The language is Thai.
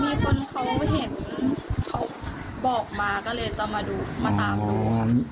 มีคนเขาเห็นเขาบอกมาก็เลยจะมาดูมาตามดูค่ะ